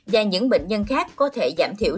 và những bệnh nhân khác có thể giảm thiểu